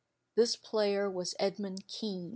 This player was Edmund Kean.